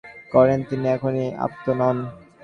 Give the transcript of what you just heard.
যিনি নিজের অর্জিত জ্ঞান বিক্রয় করেন, তিনি কখনই আপ্ত নন।